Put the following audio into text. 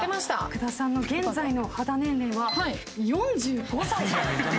福田さんの現在の肌年齢は。